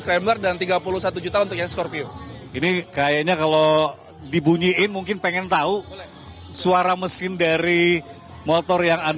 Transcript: scrambler dan tiga puluh satu juta untuk yang scorpio ini kayaknya kalau dibunyiin mungkin pengen tahu